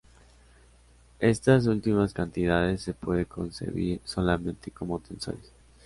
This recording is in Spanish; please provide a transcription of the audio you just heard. Estas últimas cantidades se pueden concebir solamente como tensores.